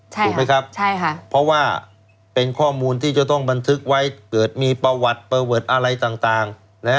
ถูกไหมครับเพราะว่าเป็นข้อมูลที่จะต้องบันทึกไว้เกิดมีประวัติประเวทอะไรต่าง